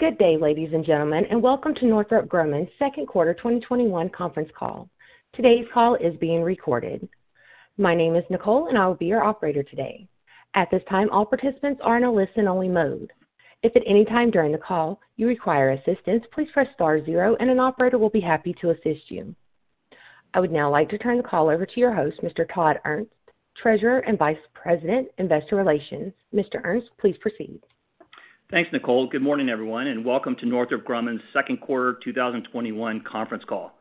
Good day, ladies and gentlemen, and welcome to Northrop Grumman's second quarter 2021 conference call. Today's call is being recorded. My name is Nicole and I will be your operator today. At this time, all participants are in a listen-only mode. If at any time during the call you require assistance, please press star zero and an operator will be happy to assist you. I would now like to turn the call over to your host, Mr. Todd Ernst, Treasurer and Vice President, Investor Relations. Mr. Ernst, please proceed. Thanks, Nicole. Good morning, everyone, and welcome to Northrop Grumman's second quarter 2021 conference call.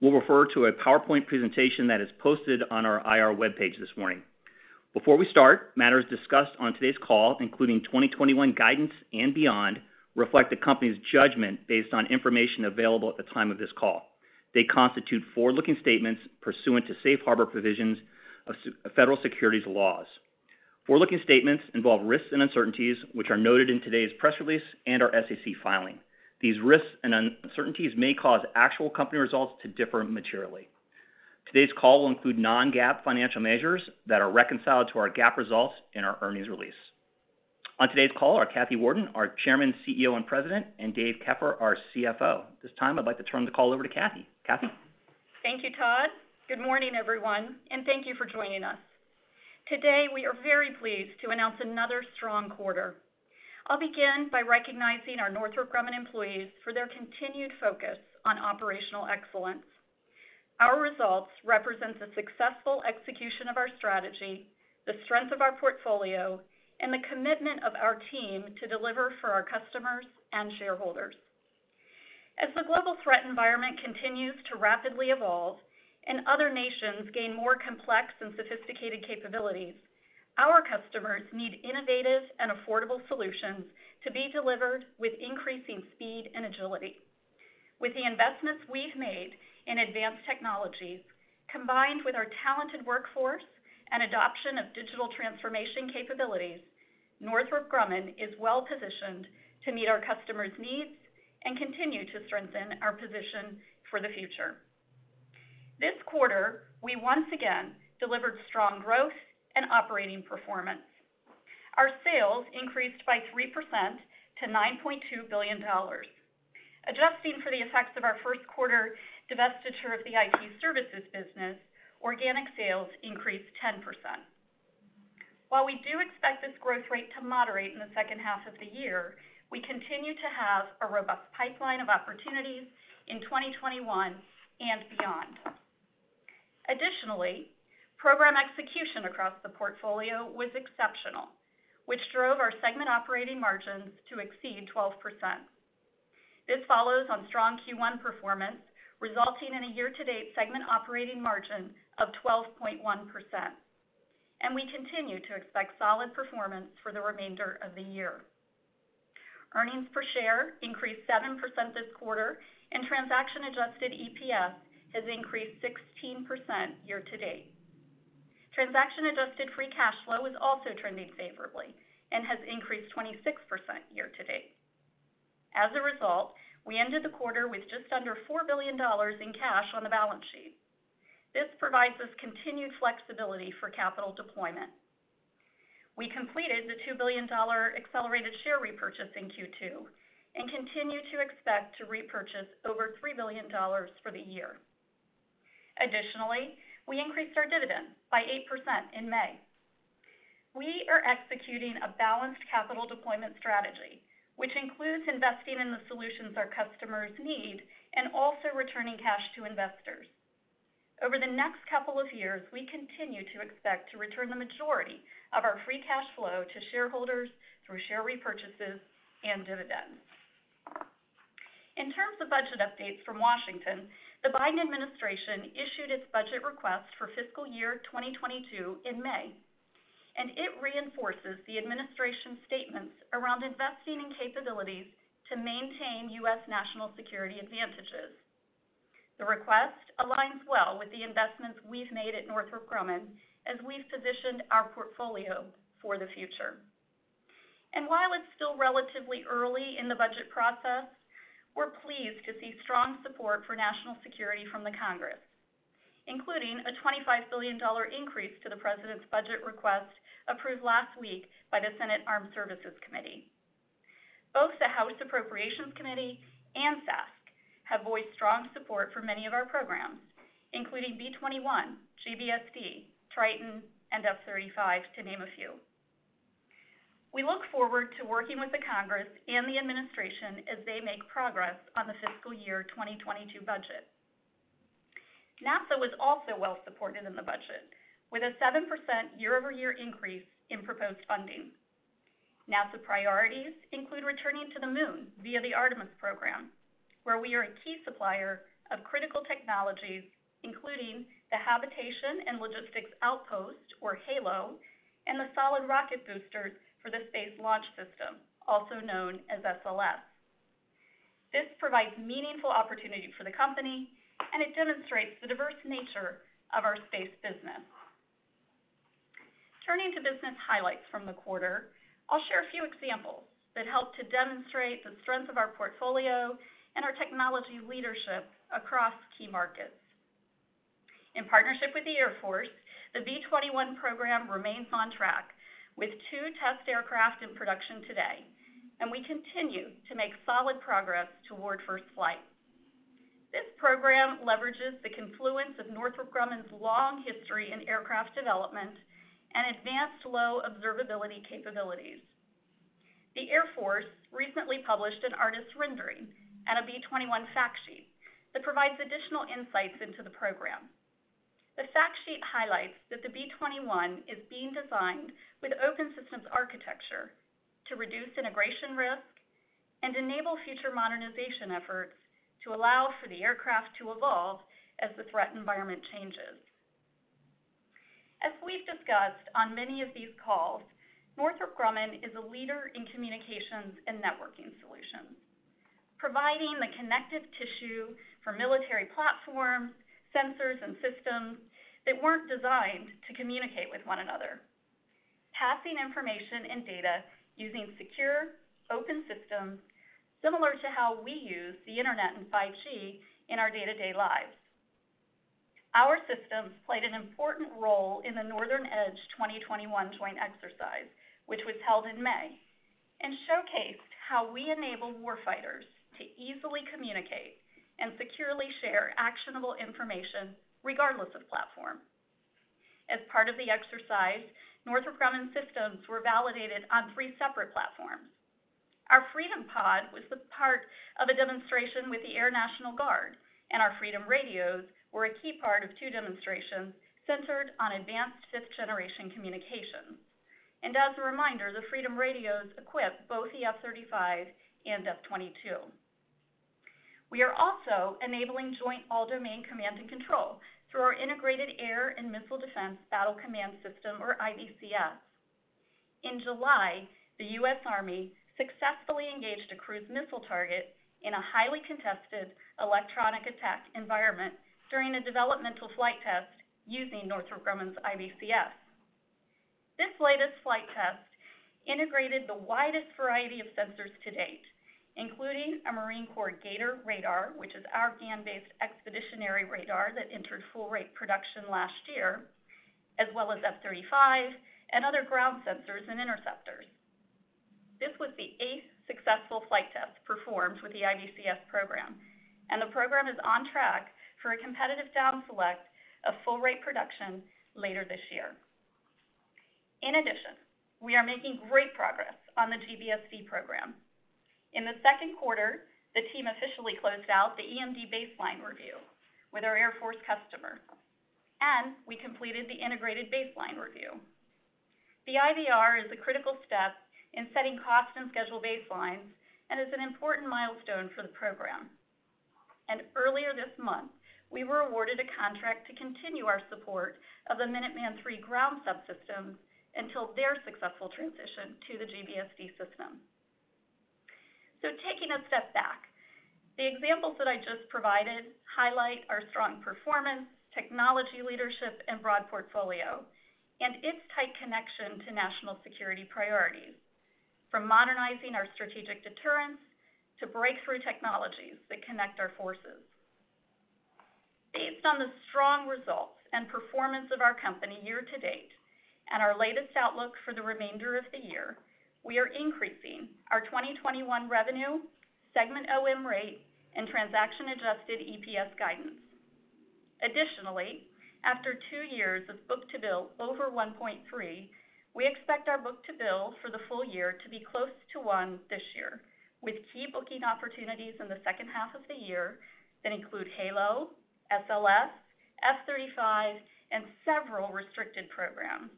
We'll refer to a PowerPoint presentation that is posted on our IR webpage this morning. Before we start, matters discussed on today's call, including 2021 guidance and beyond, reflect the company's judgment based on information available at the time of this call. They constitute forward-looking statements pursuant to Safe Harbor provisions of federal securities laws. Forward-looking statements involve risks and uncertainties, which are noted in today's press release and our SEC filing. These risks and uncertainties may cause actual company results to differ materially. Today's call will include non-GAAP financial measures that are reconciled to our GAAP results in our earnings release. On today's call are Kathy Warden, our Chairman, CEO, and President, and Dave Keffer, our CFO. At this time, I'd like to turn the call over to Kathy. Kathy? Thank you, Todd. Good morning, everyone, and thank you for joining us. Today, we are very pleased to announce another strong quarter. I'll begin by recognizing our Northrop Grumman employees for their continued focus on operational excellence. Our results represent the successful execution of our strategy, the strength of our portfolio, and the commitment of our team to deliver for our customers and shareholders. As the global threat environment continues to rapidly evolve and other nations gain more complex and sophisticated capabilities, our customers need innovative and affordable solutions to be delivered with increasing speed and agility. With the investments we've made in advanced technologies, combined with our talented workforce and adoption of digital transformation capabilities, Northrop Grumman is well-positioned to meet our customers' needs and continue to strengthen our position for the future. This quarter, we once again delivered strong growth and operating performance. Our sales increased by 3% to $9.2 billion. Adjusting for the effects of our first quarter divestiture of the IT services business, organic sales increased 10%. While we do expect this growth rate to moderate in the second half of the year, we continue to have a robust pipeline of opportunities in 2021 and beyond. Additionally, program execution across the portfolio was exceptional, which drove our segment operating margins to exceed 12%. This follows on strong Q1 performance, resulting in a year-to-date segment operating margin of 12.1%, and we continue to expect solid performance for the remainder of the year. Earnings per share increased 7% this quarter, and transaction adjusted EPS has increased 16% year-to-date. Transaction adjusted free cash flow is also trending favorably and has increased 26% year-to-date. As a result, we ended the quarter with just under $4 billion in cash on the balance sheet. This provides us continued flexibility for capital deployment. We completed the $2 billion accelerated share repurchase in Q2 and continue to expect to repurchase over $3 billion for the year. Additionally, we increased our dividend by 8% in May. We are executing a balanced capital deployment strategy, which includes investing in the solutions our customers need and also returning cash to investors. Over the next couple of years, we continue to expect to return the majority of our free cash flow to shareholders through share repurchases and dividends. In terms of budget updates from Washington, the Biden administration issued its budget request for fiscal year 2022 in May. It reinforces the administration's statements around investing in capabilities to maintain U.S. national security advantages. The request aligns well with the investments we've made at Northrop Grumman as we've positioned our portfolio for the future. While it's still relatively early in the budget process, we're pleased to see strong support for national security from the Congress, including a $25 billion increase to the President's budget request approved last week by the Senate Committee on Armed Services. Both the House Committee on Appropriations and SASC have voiced strong support for many of our programs, including B-21, GBSD, Triton, and F-35, to name a few. We look forward to working with the Congress and the administration as they make progress on the fiscal year 2022 budget. NASA was also well-supported in the budget, with a 7% year-over-year increase in proposed funding. NASA priorities include returning to the moon via the Artemis program, where we are a key supplier of critical technologies, including the Habitation and Logistics Outpost, or HALO, and the solid rocket booster for the Space Launch System, also known as SLS. This provides meaningful opportunity for the company, it demonstrates the diverse nature of our space business. Turning to business highlights from the quarter, I'll share a few examples that help to demonstrate the strength of our portfolio and our technology leadership across key markets. In partnership with the Air Force, the B-21 program remains on track with two test aircraft in production today, we continue to make solid progress toward first flight. This program leverages the confluence of Northrop Grumman's long history in aircraft development and advanced low observability capabilities. The Air Force recently published an artist's rendering and a B-21 fact sheet that provides additional insights into the program. The fact sheet highlights that the B-21 is being designed with open systems architecture to reduce integration risk and enable future modernization efforts to allow for the aircraft to evolve as the threat environment changes. As we've discussed on many of these calls, Northrop Grumman is a leader in communications and networking solutions, providing the connective tissue for military platforms, sensors, and systems that weren't designed to communicate with one another. Passing information and data using secure, open systems, similar to how we use the internet and 5G in our day-to-day lives. Our systems played an important role in the Northern Edge 2021 joint exercise, which was held in May and showcased how we enable warfighters to easily communicate and securely share actionable information regardless of platform. As part of the exercise, Northrop Grumman systems were validated on three separate platforms. Our Freedom pod was the part of a demonstration with the Air National Guard. Our Freedom radios were a key part of two demonstrations centered on advanced fifth-generation communication. As a reminder, the Freedom radios equip both the F-35 and F-22. We are also enabling joint all-domain command and control through our Integrated Air and Missile Defense Battle Command Systemor IBCS. In July, the U.S. Army successfully engaged a cruise missile target in a highly contested electronic attack environment during a developmental flight test using Northrop Grumman's IBCS. This latest flight test integrated the widest variety of sensors to date, including a Marine Corps G/ATOR radar, which is our GaN-based expeditionary radar that entered full rate production last year, as well as F-35 and other ground sensors and interceptors. This was the eighth successful flight test performed with the IBCS program, and the program is on track for a competitive down select of full-rate production later this year. In addition, we are making great progress on the GBSD program. In the second quarter, the team officially closed out the EMD Baseline Review with our Air Force customer, and we completed the Integrated Baseline Review. The IBR is a critical step in setting cost and schedule baselines and is an important milestone for the program. Earlier this month, we were awarded a contract to continue our support of the Minuteman III ground subsystems until their successful transition to the GBSD system. Taking a step back, the examples that I just provided highlight our strong performance, technology leadership, and broad portfolio, and its tight connection to national security priorities, from modernizing our strategic deterrence to breakthrough technologies that connect our forces. Based on the strong results and performance of our company year-to-date and our latest outlook for the remainder of the year, we are increasing our 2021 revenue, segment OM rate, and transaction-adjusted EPS guidance. Additionally, after two years of book-to-bill over 1.3, we expect our book-to-bill for the full-year to be close to one this year, with key booking opportunities in the second half of the year that include HALO, SLS, F-35, and several restricted programs,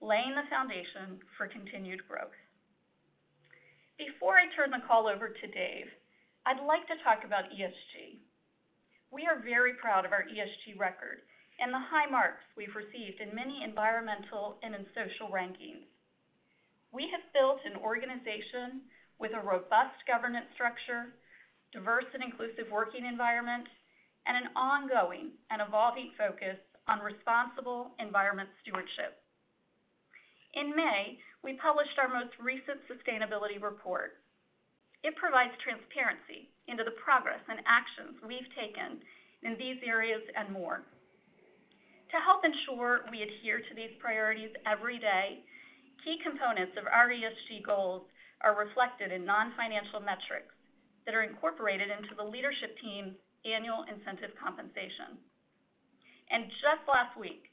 laying the foundation for continued growth. Before I turn the call over to Dave, I'd like to talk about ESG. We are very proud of our ESG record and the high marks we've received in many environmental and in social rankings. We have built an organization with a robust governance structure, diverse and inclusive working environment, and an ongoing and evolving focus on responsible environment stewardship. In May, we published our most recent sustainability report. It provides transparency into the progress and actions we've taken in these areas and more. To help ensure we adhere to these priorities every day, key components of our ESG goals are reflected in non-financial metrics that are incorporated into the leadership team's annual incentive compensation. Just last week,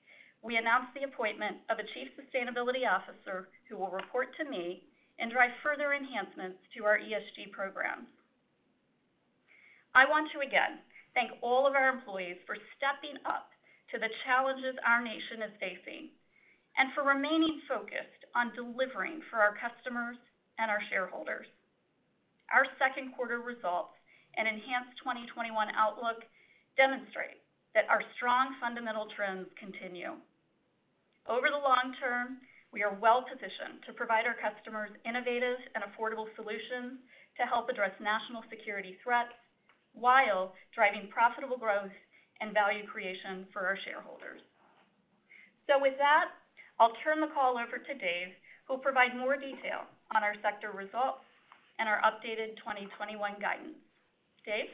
we announced the appointment of a Chief Sustainability Officer who will report to me and drive further enhancements to our ESG program. I want to again thank all of our employees for stepping up to the challenges our nation is facing and for remaining focused on delivering for our customers and our shareholders. Our second quarter results and enhanced 2021 outlook demonstrate that our strong fundamental trends continue. Over the long term, we are well positioned to provide our customers innovative and affordable solutions to help address national security threats while driving profitable growth and value creation for our shareholders. With that, I'll turn the call over to Dave, who will provide more detail on our sector results and our updated 2021 guidance. Dave?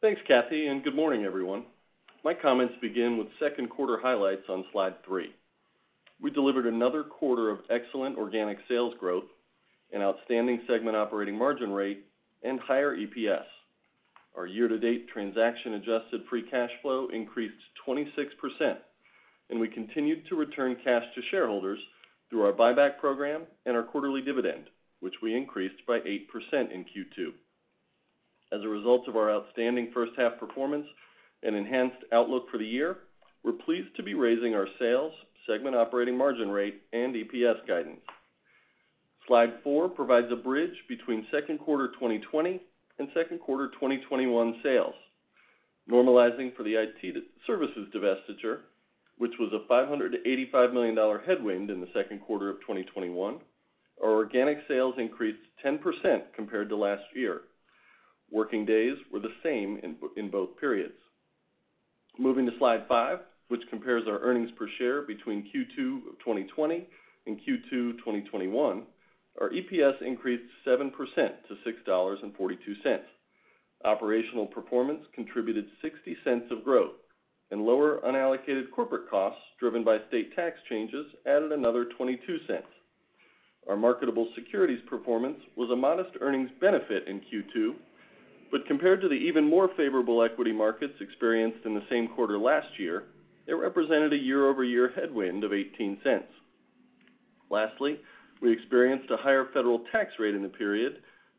Thanks, Kathy. Good morning, everyone. My comments begin with second quarter highlights on slide three. We delivered another quarter of excellent organic sales growth, an outstanding segment operating margin rate, and higher EPS. Our year-to-date transaction-adjusted free cash flow increased 26%. We continued to return cash to shareholders through our buyback program and our quarterly dividend, which we increased by 8% in Q2. As a result of our outstanding first half performance and enhanced outlook for the year, we're pleased to be raising our sales, segment operating margin rate, and EPS guidance. Slide four provides a bridge between second quarter 2020 and second quarter 2021 sales. Normalizing for the IT services divestiture, which was a $585 million headwind in the second quarter of 2021, our organic sales increased 10% compared to last year. Working days were the same in both periods. Moving to slide five, which compares our earnings per share between Q2 of 2020 and Q2 2021, our EPS increased 7% to $6.42. Operational performance contributed $0.60 of growth. Lower unallocated corporate costs, driven by state tax changes, added another $0.22. Our marketable securities performance was a modest earnings benefit in Q2. Compared to the even more favorable equity markets experienced in the same quarter last year, it represented a year-over-year headwind of $0.18. Lastly, we experienced a higher federal tax rate in the period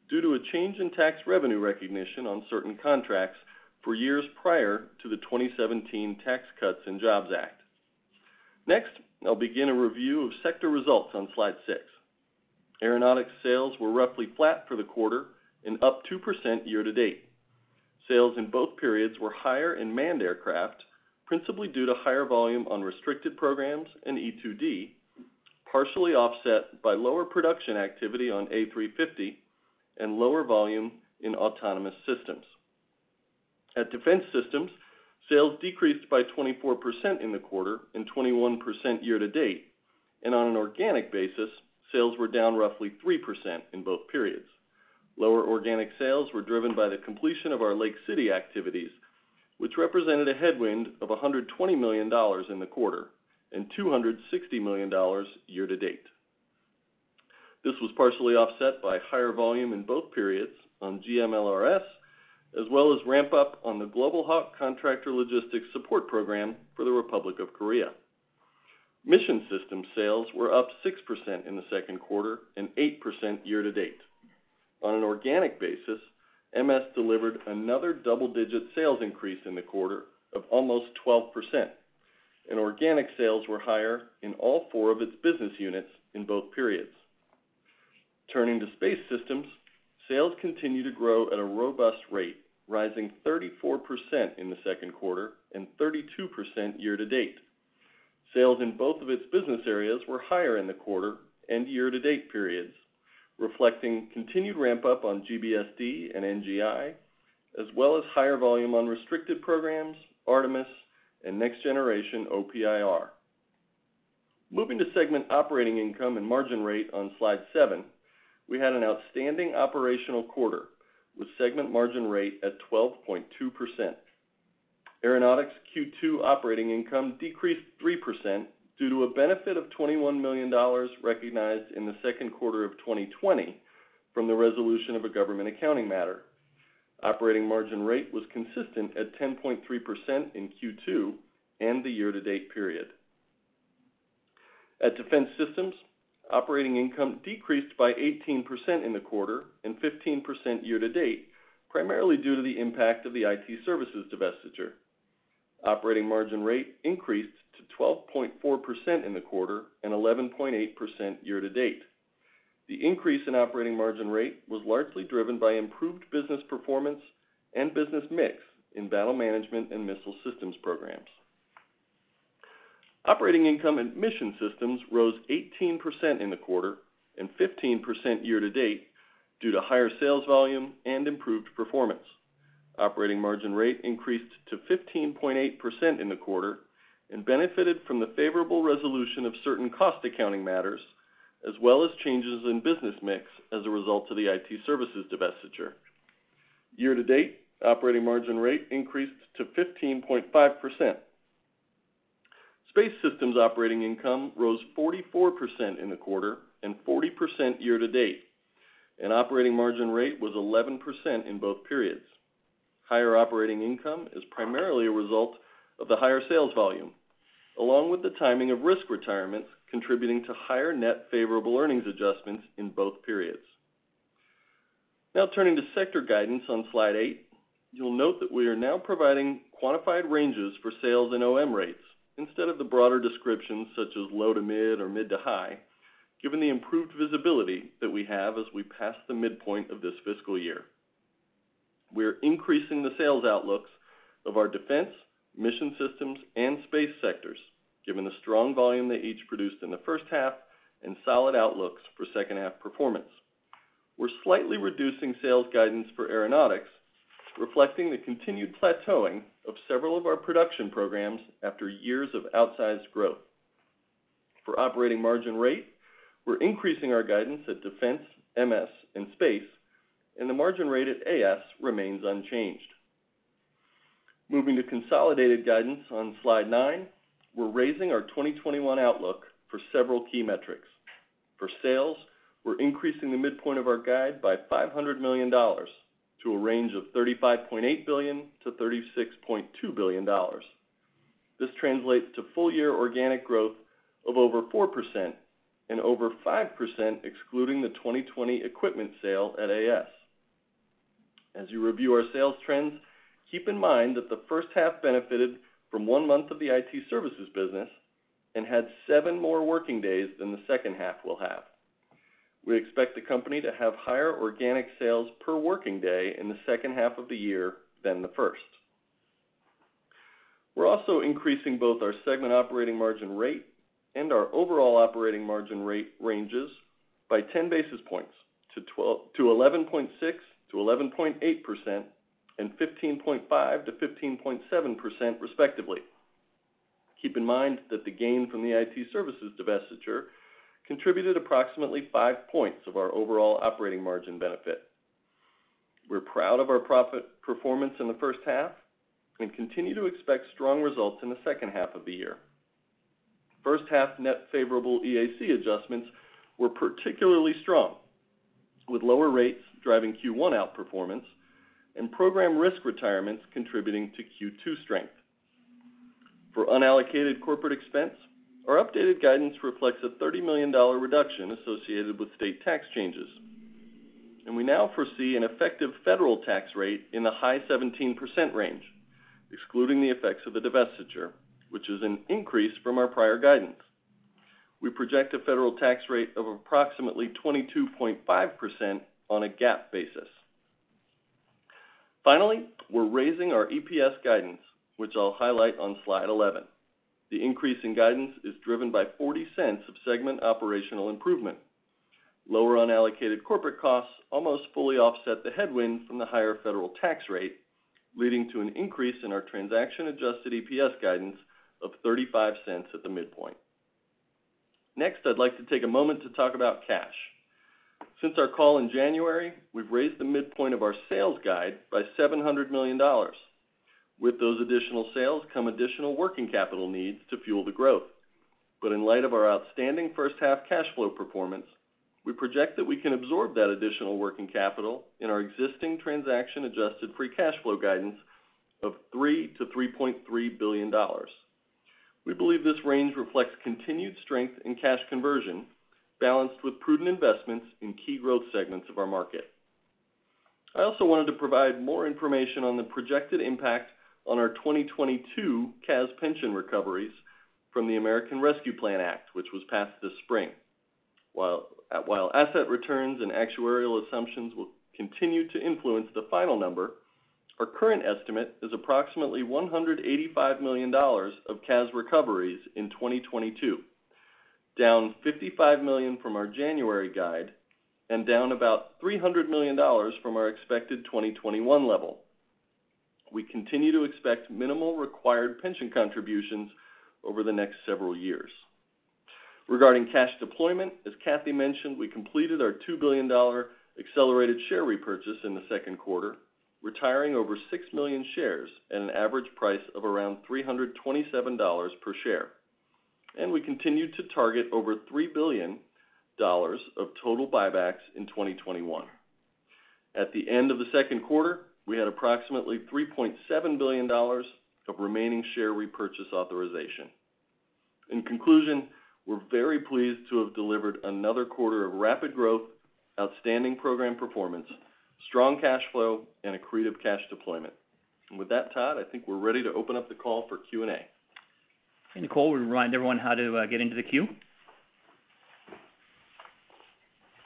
due to a change in tax revenue recognition on certain contracts for years prior to the 2017 Tax Cuts and Jobs Act. Next, I'll begin a review of sector results on slide six. Aeronautics sales were roughly flat for the quarter and up 2% year-to-date. Sales in both periods were higher in manned aircraft, principally due to higher volume on restricted programs and E-2D, partially offset by lower production activity on F-35 and lower volume in autonomous systems. At Defense Systems, sales decreased by 24% in the quarter and 21% year-to-date. On an organic basis, sales were down roughly 3% in both periods. Lower organic sales were driven by the completion of our Lake City activities, which represented a headwind of $120 million in the quarter and $260 million year-to-date. This was partially offset by higher volume in both periods on GMLRS, as well as ramp-up on the Global Hawk Contractor Logistics Support program for the Republic of Korea. Mission Systems sales were up 6% in the second quarter and 8% year-to-date. On an organic basis, MS delivered another double-digit sales increase in the quarter of almost 12%, and organic sales were higher in all four of its business units in both periods. Turning to Space Systems, sales continue to grow at a robust rate, rising 34% in the second quarter and 32% year-to-date. Sales in both of its business areas were higher in the quarter and year-to-date periods, reflecting continued ramp-up on GBSD and NGI, as well as higher volume on restricted programs, Artemis, and Next-Generation OPIR. Moving to segment operating income and margin rate on slide seven, we had an outstanding operational quarter with segment margin rate at 12.2%. Aeronautics Q2 operating income decreased 3% due to a benefit of $21 million recognized in the second quarter of 2020 from the resolution of a government accounting matter. Operating margin rate was consistent at 10.3% in Q2 and the year-to-date period. At Defense Systems, operating income decreased by 18% in the quarter and 15% year-to-date, primarily due to the impact of the IT services divestiture. Operating margin rate increased to 12.4% in the quarter and 11.8% year-to-date. The increase in operating margin rate was largely driven by improved business performance and business mix in battle management and missile systems programs. Operating income in Mission Systems rose 18% in the quarter and 15% year-to-date due to higher sales volume and improved performance. Operating margin rate increased to 15.8% in the quarter and benefited from the favorable resolution of certain cost accounting matters, as well as changes in business mix as a result of the IT services divestiture. Year-to-date, operating margin rate increased to 15.5%. Space Systems operating income rose 44% in the quarter and 40% year-to-date, and operating margin rate was 11% in both periods. Higher operating income is primarily a result of the higher sales volume, along with the timing of risk retirements contributing to higher net favorable earnings adjustments in both periods. Turning to sector guidance on slide eight, you'll note that we are now providing quantified ranges for sales and OM rates instead of the broader descriptions such as low to mid or mid to high, given the improved visibility that we have as we pass the midpoint of this fiscal year. We are increasing the sales outlooks of our defense, Mission Systems, and Space sectors, given the strong volume they each produced in the first half and solid outlooks for second half performance. We're slightly reducing sales guidance for Aeronautics, reflecting the continued plateauing of several of our production programs after years of outsized growth. For operating margin rate, we're increasing our guidance at defense, MS, and Space, and the margin rate at AS remains unchanged. Moving to consolidated guidance on Slide nine, we're raising our 2021 outlook for several key metrics. For sales, we're increasing the midpoint of our guide by $500 million to a range of $35.8-36.2 billion. This translates to full-year organic growth of over 4% and over 5% excluding the 2020 equipment sale at AS. As you review our sales trends, keep in mind that the first half benefited from 1 month of the IT services business and had seven more working days than the second half will have. We expect the company to have higher organic sales per working day in the second half of the year than the first. We are also increasing both our segment operating margin rate and our overall operating margin rate ranges by 10 basis points to 11.6%-11.8% and 15.5%-15.7% respectively. Keep in mind that the gain from the IT services divestiture contributed approximately 5 points of our overall operating margin benefit. We are proud of our profit performance in the first half and continue to expect strong results in the second half of the year. First half net favorable EAC adjustments were particularly strong, with lower rates driving Q1 outperformance and program risk retirements contributing to Q2 strength. For unallocated corporate expense, our updated guidance reflects a $30 million reduction associated with state tax changes. We now foresee an effective federal tax rate in the high 17% range, excluding the effects of the divestiture, which is an increase from our prior guidance. We project a federal tax rate of approximately 22.5% on a GAAP basis. We're raising our EPS guidance, which I'll highlight on Slide 11. The increase in guidance is driven by $0.40 of segment operational improvement. Lower unallocated corporate costs almost fully offset the headwind from the higher federal tax rate, leading to an increase in our transaction-adjusted EPS guidance of $0.35 at the midpoint. Next, I'd like to take a moment to talk about cash. Since our call in January, we've raised the midpoint of our sales guide by $700 million. With those additional sales come additional working capital needs to fuel the growth. In light of our outstanding first half cash flow performance, we project that we can absorb that additional working capital in our existing transaction-adjusted free cash flow guidance of $3-3.3 billion. We believe this range reflects continued strength in cash conversion balanced with prudent investments in key growth segments of our market. I also wanted to provide more information on the projected impact on our 2022 CAS pension recoveries from the American Rescue Plan Act, which was passed this spring. While asset returns and actuarial assumptions will continue to influence the final number, our current estimate is approximately $185 million of CAS recoveries in 2022, down $55 million from our January guide and down about $300 million from our expected 2021 level. We continue to expect minimal required pension contributions over the next several years. Regarding cash deployment, as Kathy mentioned, we completed our $2 billion accelerated share repurchase in the second quarter, retiring over 6 million shares at an average price of around $327 per share. We continued to target over $3 billion of total buybacks in 2021. At the end of the second quarter, we had approximately $3.7 billion of remaining share repurchase authorization. In conclusion, we're very pleased to have delivered another quarter of rapid growth, outstanding program performance, strong cash flow, and accretive cash deployment. With that, Todd, I think we're ready to open up the call for Q&A. Nicole, we remind everyone how to get into the queue.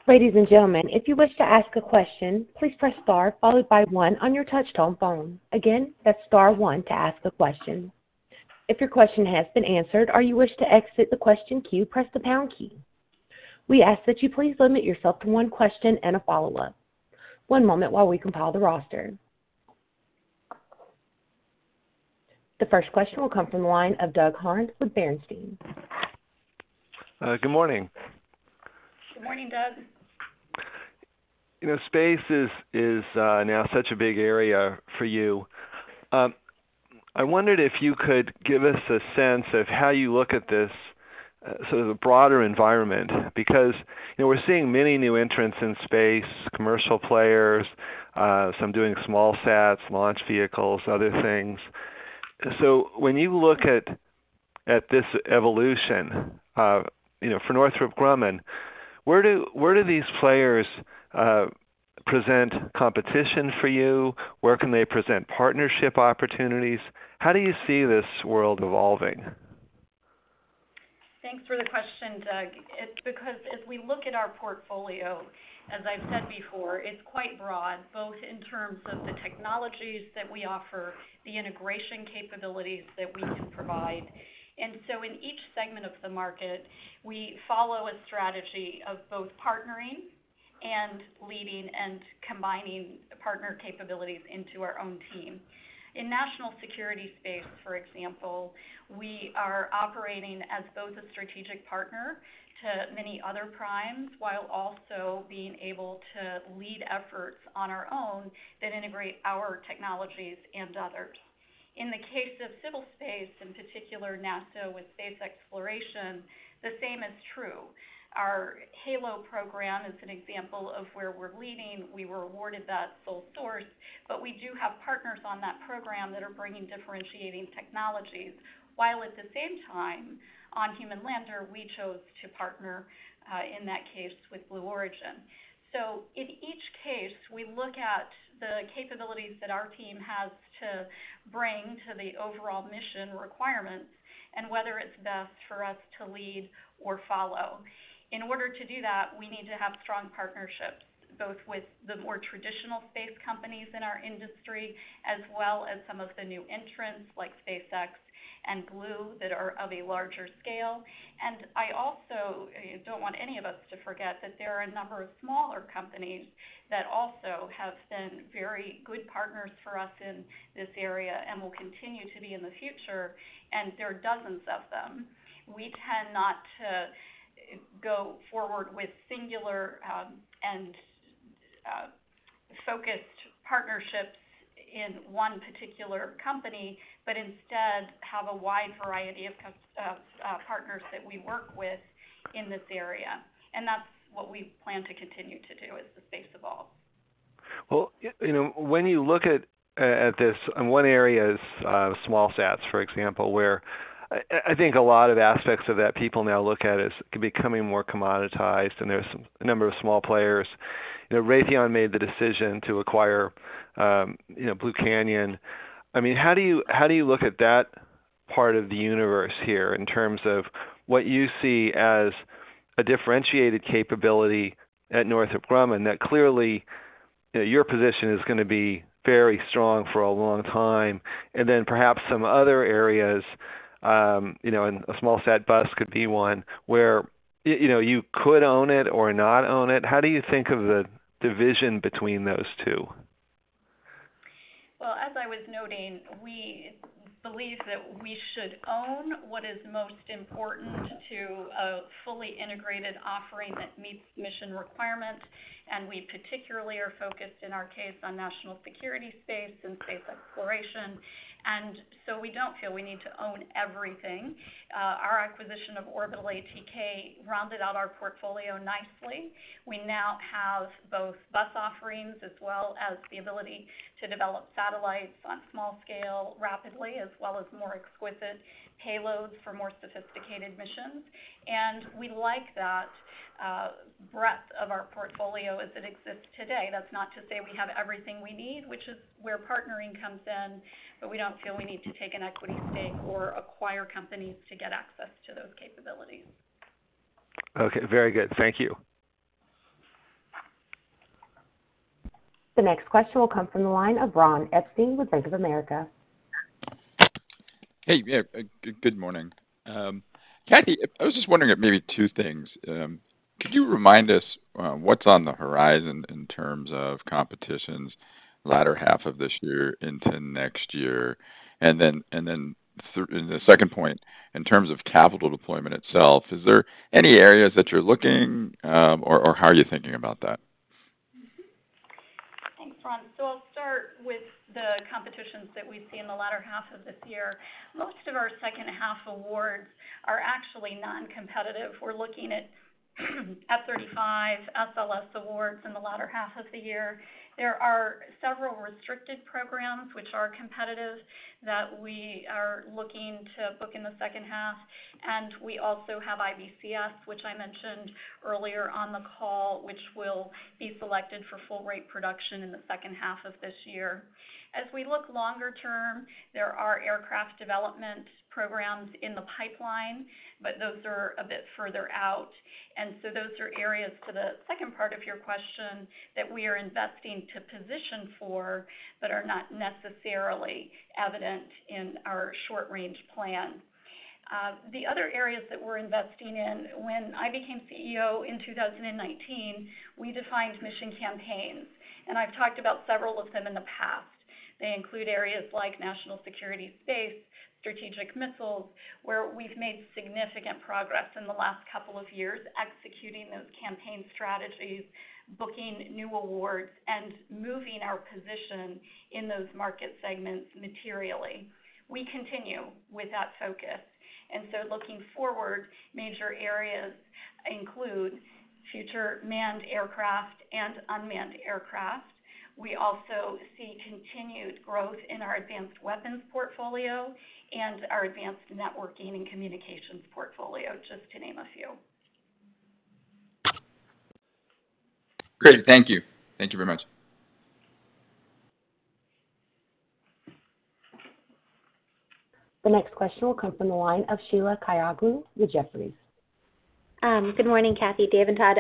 Ladies and gentlemen, if you wish to ask a question, please press star followed by one on your touchtone phone. Again, that's star one to ask a question. If your question has been answered or you wish to exit the question queue, press the pound key. We ask that you please limit yourself to one question and a follow-up. One moment while we compile the roster. The first question will come from the line of Doug Harned with Bernstein. Good morning. Good morning, Doug. Space is now such a big area for you. I wondered if you could give us a sense of how you look at this sort of broader environment, because we're seeing many new entrants in space, commercial players, some doing small sats, launch vehicles, other things. When you look at this evolution, for Northrop Grumman, where do these players present competition for you? Where can they present partnership opportunities? How do you see this world evolving? Thanks for the question, Doug. As we look at our portfolio, as I've said before, it's quite broad, both in terms of the technologies that we offer, the integration capabilities that we can provide. In each segment of the market, we follow a strategy of both partnering Leading and combining partner capabilities into our own team. In national security space, for example, we are operating as both a strategic partner to many other primes, while also being able to lead efforts on our own that integrate our technologies and others. In the case of civil space, in particular, NASA with space exploration, the same is true. Our HALO program is an example of where we're leading. We were awarded that sole source, but we do have partners on that program that are bringing differentiating technologies, while at the same time on Human Lander, we chose to partner, in that case, with Blue Origin. In each case, we look at the capabilities that our team has to bring to the overall mission requirements and whether it's best for us to lead or follow. In order to do that, we need to have strong partnerships, both with the more traditional space companies in our industry, as well as some of the new entrants like SpaceX and Blue that are of a larger scale. I also don't want any of us to forget that there are a number of smaller companies that also have been very good partners for us in this area and will continue to be in the future. There are dozens of them. We tend not to go forward with singular and focused partnerships in one particular company, but instead have a wide variety of partners that we work with in this area. That's what we plan to continue to do as the space evolves. Well, when you look at this, and one area is small sats, for example, where I think a lot of aspects of that people now look at as becoming more commoditized, and there's a number of small players. Raytheon made the decision to acquire Blue Canyon. How do you look at that part of the universe here in terms of what you see as a differentiated capability at Northrop Grumman that clearly, your position is going to be very strong for a long time, and then perhaps some other areas, and a small sat bus could be one, where you could own it or not own it. How do you think of the division between those two? Well, as I was noting, we believe that we should own what is most important to a fully integrated offering that meets mission requirements. We particularly are focused, in our case, on national security space and space exploration. We don't feel we need to own everything. Our acquisition of Orbital ATK rounded out our portfolio nicely. We now have both bus offerings, as well as the ability to develop satellites on small scale rapidly, as well as more exquisite payloads for more sophisticated missions. We like that breadth of our portfolio as it exists today. That's not to say we have everything we need, which is where partnering comes in, but we don't feel we need to take an equity stake or acquire companies to get access to those capabilities. Okay. Very good. Thank you. The next question will come from the line of Ron Epstein with Bank of America. Hey. Good morning. Kathy, I was just wondering maybe two things. Could you remind us what's on the horizon in terms of competitions latter half of this year into next year? The second point, in terms of capital deployment itself, is there any areas that you're looking, or how are you thinking about that? Thanks, Ron. I'll start with the competitions that we see in the latter half of this year. Most of our second half awards are actually non-competitive. We're looking at F-35, SLS awards in the latter half of the year. There are several restricted programs which are competitive that we are looking to book in the second half. We also have IBCS, which I mentioned earlier on the call, which will be selected for full rate production in the second half of this year. As we look longer term, there are aircraft development programs in the pipeline, but those are a bit further out. Those are areas to the second part of your question that we are investing to position for, but are not necessarily evident in our short-range plan. The other areas that we're investing in, when I became CEO in 2019, we defined mission campaigns, and I've talked about several of them in the past. They include areas like national security space, strategic missiles, where we've made significant progress in the last couple of years executing those campaign strategies, booking new awards, and moving our position in those market segments materially. We continue with that focus. Looking forward, major areas include future manned aircraft and unmanned aircraft. We also see continued growth in our advanced weapons portfolio and our advanced networking and communications portfolio, just to name a few. Great. Thank you. Thank you very much. The next question will come from the line of Sheila Kahyaoglu with Jefferies. Good morning, Kathy, Dave, and Todd.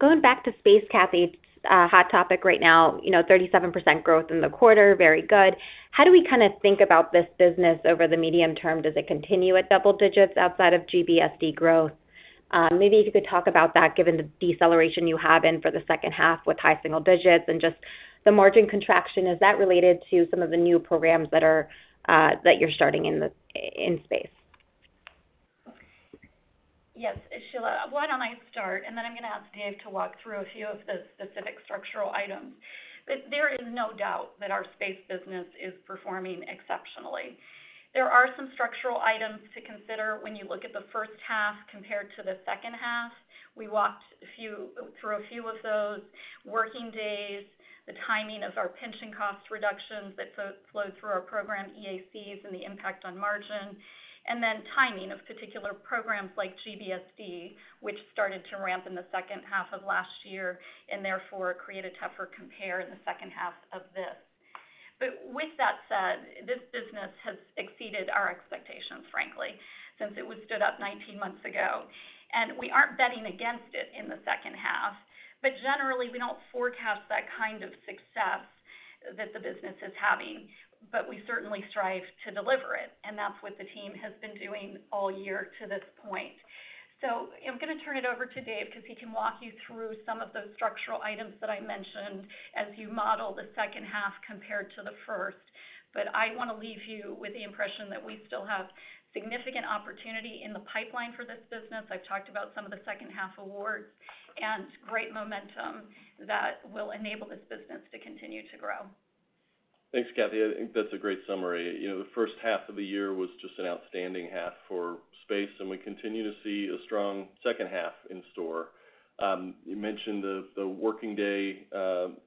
Going back to space, Kathy, hot topic right now, 37% growth in the quarter, very good. How do we kind of think about this business over the medium term? Does it continue at double digits outside of GBSD growth? Maybe if you could talk about that given the deceleration you have in for the second half with high single digits and just the margin contraction. Is that related to some of the new programs that you're starting in space? Yes, Sheila. Why don't I start, and then I'm going to ask Dave to walk through a few of the specific structural items. There is no doubt that our space business is performing exceptionally. There are some structural items to consider when you look at the first half compared to the second half. We walked through a few of those working days, the timing of our pension cost reductions that flowed through our program EACs and the impact on margin, and then timing of particular programs like GBSD, which started to ramp in the second half of last year and therefore created a tougher compare in the second half of this. With that said, this business has exceeded our expectations, frankly, since it was stood up 19 months ago, and we aren't betting against it in the second half. Generally, we don't forecast that kind of success that the business is having, but we certainly strive to deliver it, and that's what the team has been doing all year to this point. I'm going to turn it over to Dave because he can walk you through some of those structural items that I mentioned as you model the second half compared to the first. I want to leave you with the impression that we still have significant opportunity in the pipeline for this business. I've talked about some of the second-half awards and great momentum that will enable this business to continue to grow. Thanks, Kathy. I think that's a great summary. The first half of the year was just an outstanding half for space, and we continue to see a strong second half in store. You mentioned the working day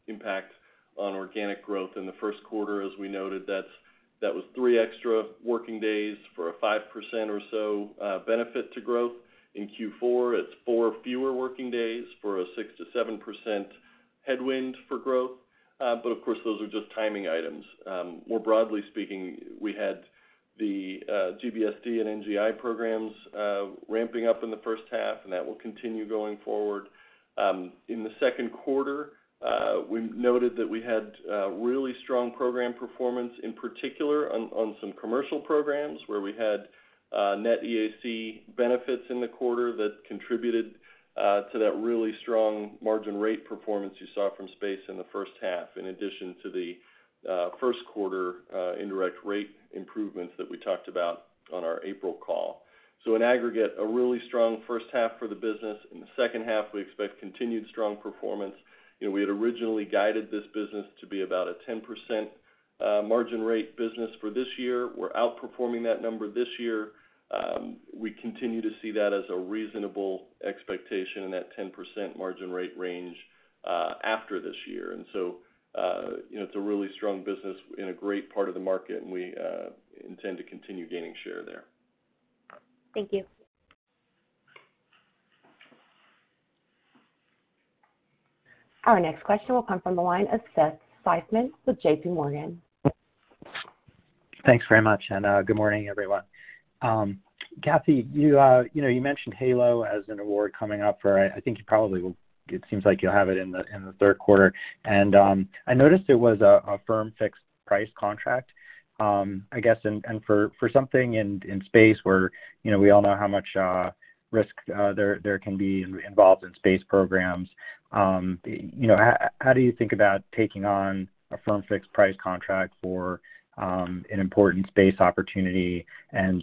impact on organic growth in the first quarter. As we noted, that was three extra working days for a 5% or so benefit to growth. In Q4, it's four fewer working days for a 6%-7% headwind for growth. Of course, those are just timing items. More broadly speaking, we had the GBSD and NGI programs ramping up in the first half, and that will continue going forward. In the second quarter, we noted that we had really strong program performance, in particular on some commercial programs where we had net EAC benefits in the quarter that contributed to that really strong margin rate performance you saw from space in the first half, in addition to the first quarter indirect rate improvements that we talked about on our April call. In aggregate, a really strong first half for the business. In the second half, we expect continued strong performance. We had originally guided this business to be about a 10% margin rate business for this year. We're outperforming that number this year. We continue to see that as a reasonable expectation in that 10% margin rate range after this year. It's a really strong business in a great part of the market, and we intend to continue gaining share there. Thank you. Our next question will come from the line of Seth Seifman with J.P. Morgan. Thanks very much, and good morning, everyone. Kathy, you mentioned HALO as an award coming up for, I think it seems like you'll have it in the third quarter, and I noticed it was a firm fixed price contract. I guess and for something in space where we all know how much risk there can be involved in space programs, how do you think about taking on a firm fixed price contract for an important space opportunity?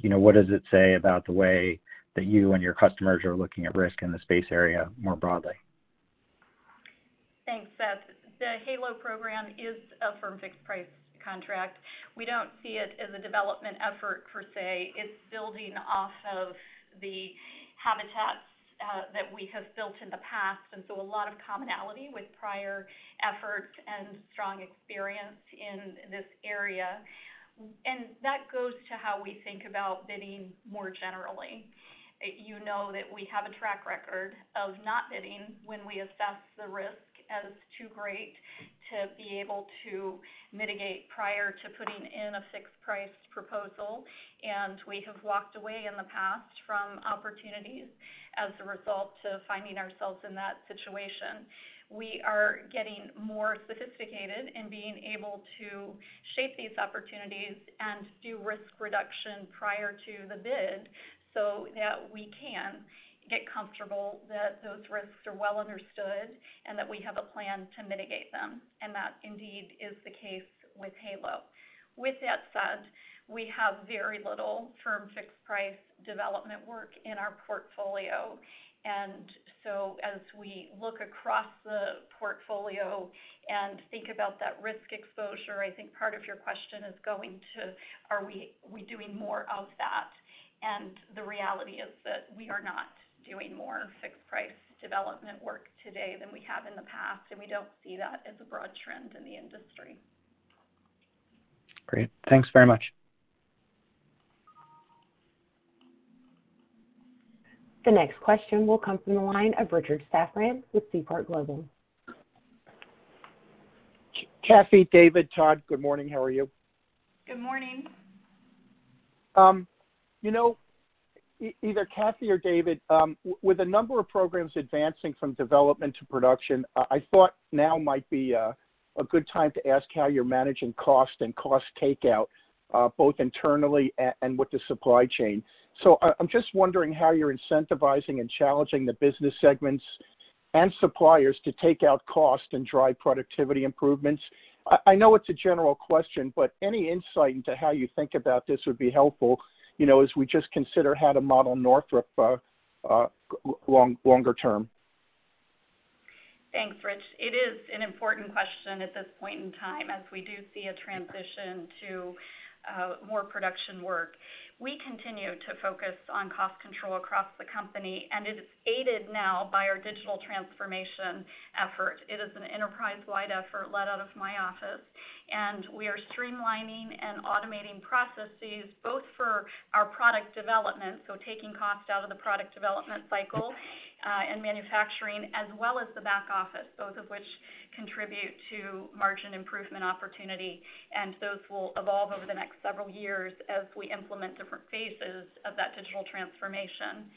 What does it say about the way that you and your customers are looking at risk in the space area more broadly? Thanks, Seth. The HALE program is a firm fixed price contract. We don't see it as a development effort per se. It's building off of the habitats that we have built in the past. A lot of commonality with prior effort and strong experience in this area. That goes to how we think about bidding more generally. You know that we have a track record of not bidding when we assess the risk as too great to be able to mitigate prior to putting in a fixed price proposal. We have walked away in the past from opportunities as a result of finding ourselves in that situation. We are getting more sophisticated in being able to shape these opportunities and do risk reduction prior to the bid so that we can get comfortable that those risks are well understood and that we have a plan to mitigate them. That indeed is the case with HALE. With that said, we have very little firm fixed price development work in our portfolio, as we look across the portfolio and think about that risk exposure, I think part of your question is going to, are we doing more of that? The reality is that we are not doing more fixed price development work today than we have in the past, and we don't see that as a broad trend in the industry. Great. Thanks very much. The next question will come from the line of Richard Safran with Seaport Global. Kathy, David, Todd, good morning. How are you? Good morning. Either Kathy or Dave, with a number of programs advancing from development to production, I thought now might be a good time to ask how you're managing cost and cost takeout, both internally and with the supply chain. I'm just wondering how you're incentivizing and challenging the business segments and suppliers to take out cost and drive productivity improvements. I know it's a general question, but any insight into how you think about this would be helpful, as we just consider how to model Northrop longer term. Thanks, Rich. It is an important question at this point in time, as we do see a transition to more production work. We continue to focus on cost control across the company. It is aided now by our digital transformation effort. It is an enterprise-wide effort led out of my office. We are streamlining and automating processes both for our product development, so taking cost out of the product development cycle and manufacturing, as well as the back office, both of which contribute to margin improvement opportunity. Those will evolve over the next several years as we implement different phases of that digital transformation.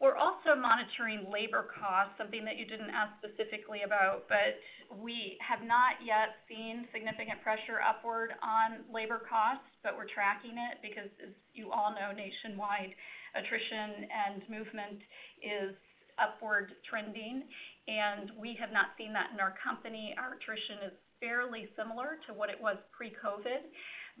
We're also monitoring labor costs, something that you didn't ask specifically about, but we have not yet seen significant pressure upward on labor costs, but we're tracking it because, as you all know, nationwide attrition and movement is upward trending, and we have not seen that in our company. Our attrition is fairly similar to what it was pre-COVID,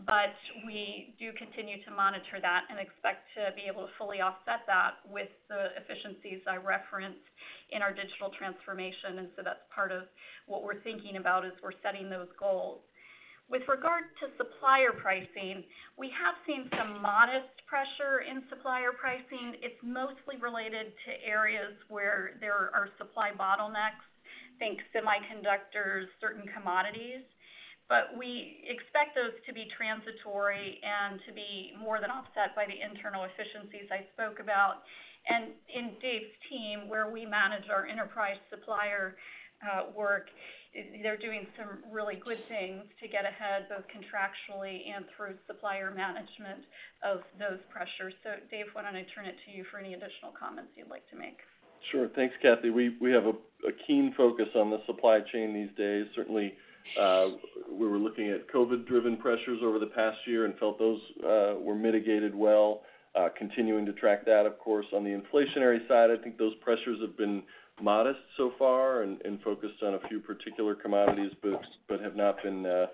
but we do continue to monitor that and expect to be able to fully offset that with the efficiencies I referenced in our digital transformation. That's part of what we're thinking about as we're setting those goals. With regard to supplier pricing, we have seen some modest pressure in supplier pricing. It's mostly related to areas where there are supply bottlenecks, think semiconductors, certain commodities. We expect those to be transitory and to be more than offset by the internal efficiencies I spoke about. In Dave's team, where we manage our enterprise supplier work, they're doing some really good things to get ahead, both contractually and through supplier management of those pressures. Dave, why don't I turn it to you for any additional comments you'd like to make? Sure. Thanks, Kathy. We have a keen focus on the supply chain these days. Certainly, we were looking at COVID-driven pressures over the past year and felt those were mitigated well, continuing to track that, of course. On the inflationary side, I think those pressures have been modest so far and focused on a few particular commodities, but have not been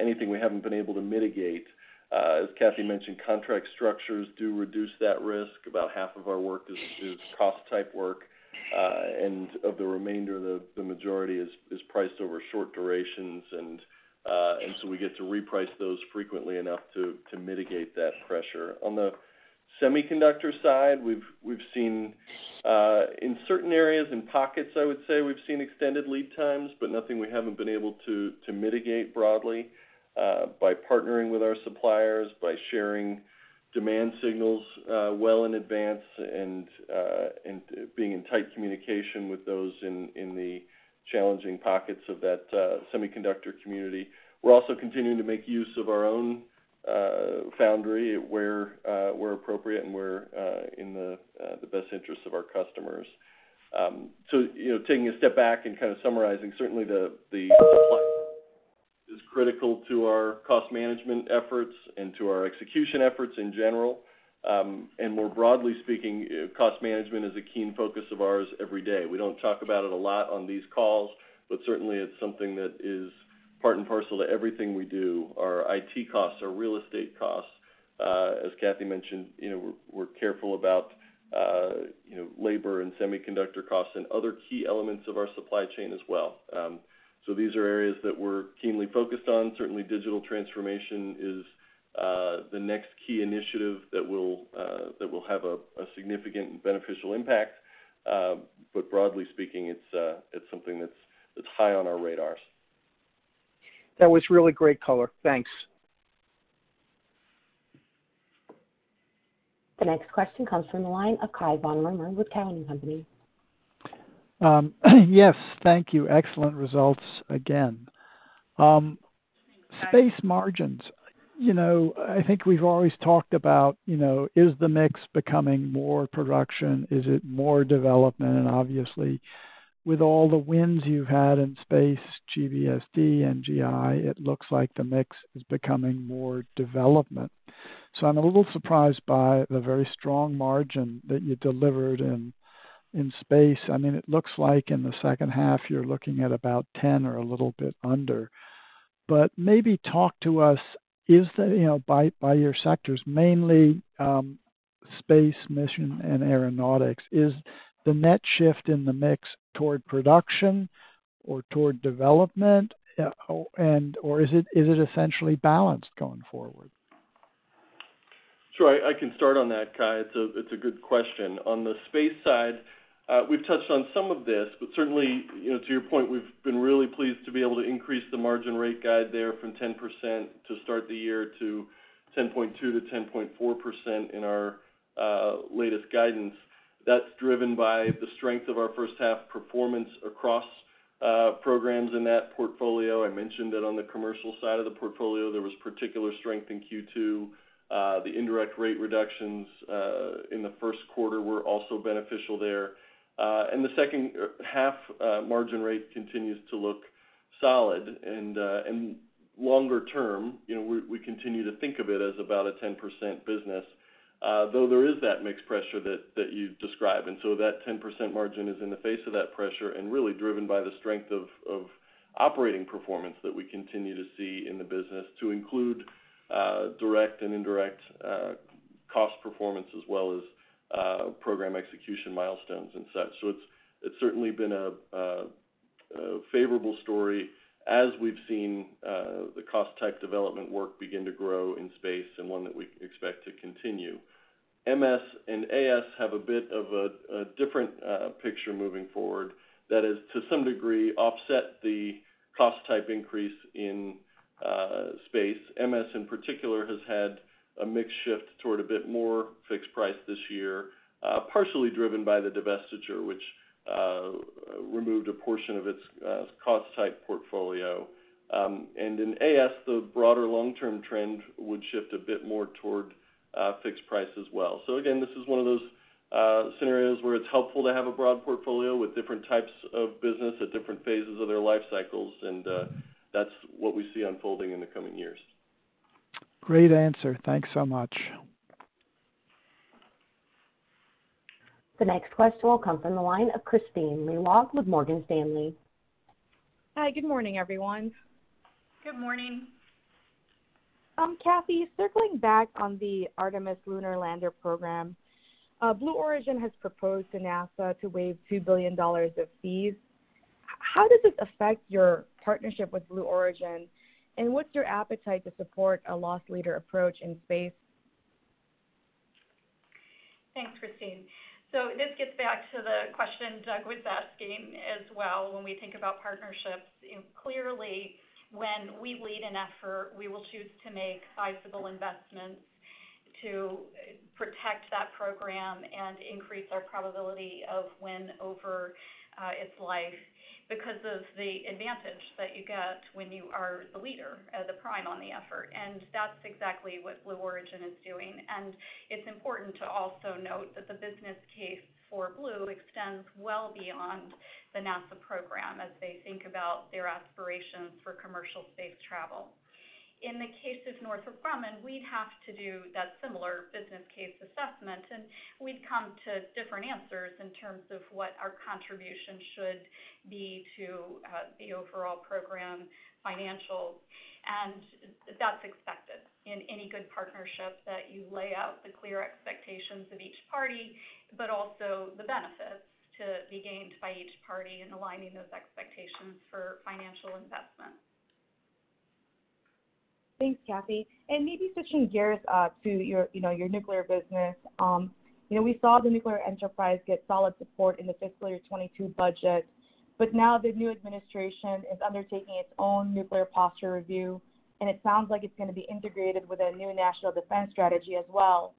anything we haven't been able to mitigate. As Kathy mentioned, contract structures do reduce that risk. About half of our work is cost-type work. Of the remainder, the majority is priced over short durations, and so we get to reprice those frequently enough to mitigate that pressure. On the semiconductor side, in certain areas, in pockets, I would say, we've seen extended lead times, but nothing we haven't been able to mitigate broadly by partnering with our suppliers, by sharing demand signals well in advance, and being in tight communication with those in the challenging pockets of that semiconductor community. We're also continuing to make use of our own foundry where appropriate and where in the best interest of our customers. Taking a step back and kind of summarizing, certainly the supply is critical to our cost management efforts and to our execution efforts in general. More broadly speaking, cost management is a keen focus of ours every day. We don't talk about it a lot on these calls, but certainly it's something that is part and parcel to everything we do. Our IT costs, our real estate costs, as Kathy mentioned, we're careful about labor and semiconductor costs and other key elements of our supply chain as well. These are areas that we're keenly focused on. Certainly, digital transformation is the next key initiative that will have a significant and beneficial impact. Broadly speaking, it's something that's high on our radars. That was really great color. Thanks. The next question comes from the line of Cai von Rumohr with Cowen and Company. Yes. Thank you. Excellent results again. Thanks. Space margins. I think we've always talked about, is the mix becoming more production? Is it more development? Obviously, with all the wins you've had in Space, GBSD and NGI, it looks like the mix is becoming more development. I'm a little surprised by the very strong margin that you delivered in Space. It looks like in the second half, you're looking at about 10% or a little bit under. Maybe talk to us, by your sectors, mainly Space, Mission and Aeronautics, is the net shift in the mix toward production or toward development? Or is it essentially balanced going forward? Sure. I can start on that, Cai. It's a good question. On the space side, we've touched on some of this, but certainly, to your point, we've been really pleased to be able to increase the margin rate guide there from 10% to start the year, to 10.2%-10.4% in our latest guidance. That's driven by the strength of our first half performance across programs in that portfolio. I mentioned that on the commercial side of the portfolio, there was particular strength in Q2. The indirect rate reductions in the first quarter were also beneficial there. The second half margin rate continues to look solid. Longer term, we continue to think of it as about a 10% business. Though there is that mixed pressure that you describe. That 10% margin is in the face of that pressure and really driven by the strength of operating performance that we continue to see in the business to include direct and indirect cost performance as well as program execution milestones and such. It's certainly been a favorable story as we've seen the cost type development work begin to grow in space and one that we expect to continue. MS and AS have a bit of a different picture moving forward that has, to some degree, offset the cost type increase in space. MS, in particular, has had a mix shift toward a bit more fixed price this year, partially driven by the divestiture, which removed a portion of its cost type portfolio. In AS, the broader long-term trend would shift a bit more toward fixed price as well. Again, this is one of those scenarios where it's helpful to have a broad portfolio with different types of business at different phases of their life cycles. That's what we see unfolding in the coming years. Great answer. Thanks so much. The next question will come from the line of Kristine Liwag with Morgan Stanley. Hi, good morning, everyone. Good morning. Kathy, circling back on the Artemis lunar lander program. Blue Origin has proposed to NASA to waive $2 billion of fees. How does this affect your partnership with Blue Origin, and what's your appetite to support a loss leader approach in space? Thanks, Kristine. This gets back to the question Doug was asking as well when we think about partnerships. Clearly, when we lead an effort, we will choose to make sizable investments to protect that program and increase our probability of win over its life because of the advantage that you get when you are the leader, the prime on the effort, and that's exactly what Blue Origin is doing. It's important to also note that the business case for Blue extends well beyond the NASA program as they think about their aspirations for commercial space travel. In the case of Northrop Grumman, we'd have to do that similar business case assessment, and we'd come to different answers in terms of what our contribution should be to the overall program financials. That's expected in any good partnership that you lay out the clear expectations of each party, but also the benefits to be gained by each party in aligning those expectations for financial investment. Thanks, Kathy. Maybe switching gears to your nuclear business. We saw the nuclear enterprise get solid support in the fiscal year 2022 budget, but now the new administration is undertaking its own Nuclear Posture Review and it sounds like it's going to be integrated with a new National Defense Strategy as well.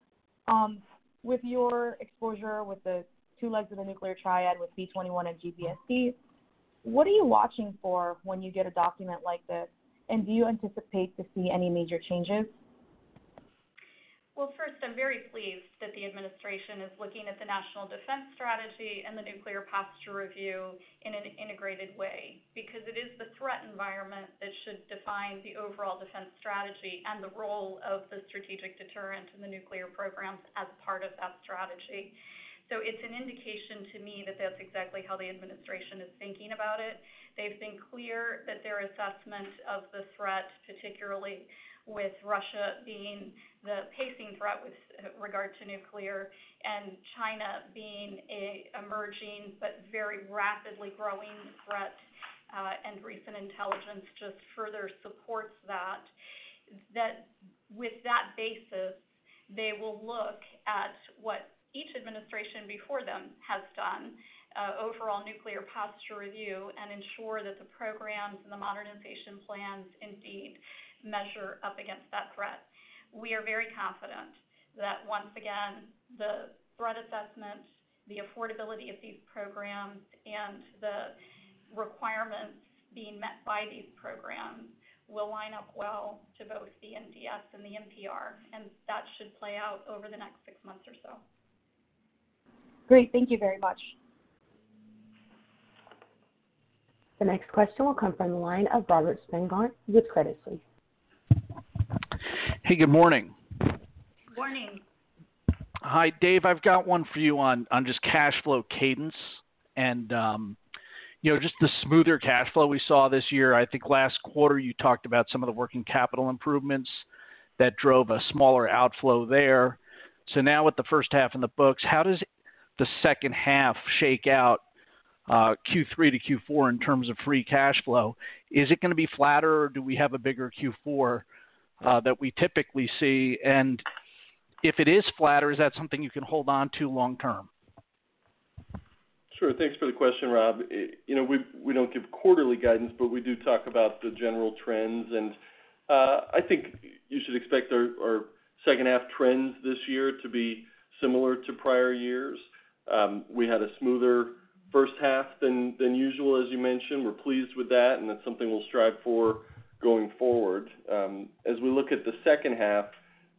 With your exposure with the two legs of the nuclear triad with B-21 and GBSD, what are you watching for when you get a document like this, and do you anticipate to see any major changes? First, I'm very pleased that the administration is looking at the National Defense Strategy and the Nuclear Posture Review in an integrated way because it is the threat environment that should define the overall defense strategy and the role of the strategic deterrent and the nuclear programs as part of that strategy. It's an indication to me that that's exactly how the administration is thinking about it. They've been clear that their assessment of the threat, particularly with Russia being the pacing threat with regard to nuclear and China being a emerging but very rapidly growing threat, and recent intelligence just further supports that. With that basis, they will look at what each administration before them has done, overall Nuclear Posture Review, and ensure that the programs and the modernization plans indeed measure up against that threat. We are very confident that once again, the threat assessments, the affordability of these programs, and the requirements being met by these programs will line up well to both the NDS and the NPR, and that should play out over the next six months or so. Great. Thank you very much. The next question will come from the line of Robert Spingarn with Credit Suisse. Hey, good morning. Morning. Hi. Dave, I've got one for you on just cash flow cadence and just the smoother cash flow we saw this year. I think last quarter you talked about some of the working capital improvements that drove a smaller outflow there. Now with the first half in the books, how does the second half shake out? Q3 to Q4 in terms of free cash flow, is it going to be flatter, or do we have a bigger Q4 that we typically see? If it is flatter, is that something you can hold on to long term? Sure. Thanks for the question, Rob. We don't give quarterly guidance, but we do talk about the general trends. I think you should expect our second half trends this year to be similar to prior years. We had a smoother first half than usual, as you mentioned. We're pleased with that, and that's something we'll strive for going forward. As we look at the second half,